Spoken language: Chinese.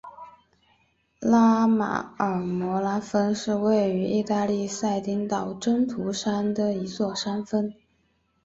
拉马尔摩拉峰是位于义大利撒丁岛真图山的一座山峰。